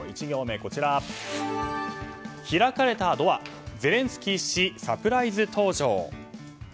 １行目は開かれたドアゼレンスキー氏サプライズ登場。